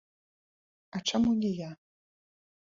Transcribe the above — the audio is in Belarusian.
А чаму не я?